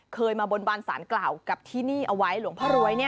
เคยมาบนบานสารกล่าวกับที่นี่เอาไว้หลวงพ่อรวย